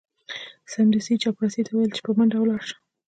سمدستي یې چپړاسي ته وویل چې په منډه ولاړ شه.